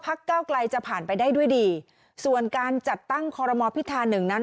เก้าไกลจะผ่านไปได้ด้วยดีส่วนการจัดตั้งคอรมอพิธาหนึ่งนั้น